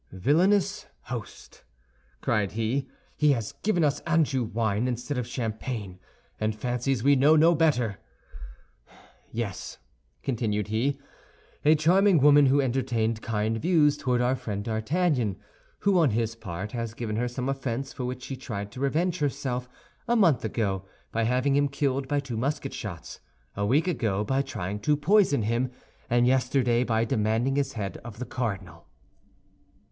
"Villainous host!" cried he, "he has given us Anjou wine instead of champagne, and fancies we know no better! Yes," continued he, "a charming woman, who entertained kind views toward our friend D'Artagnan, who, on his part, has given her some offense for which she tried to revenge herself a month ago by having him killed by two musket shots, a week ago by trying to poison him, and yesterday by demanding his head of the cardinal."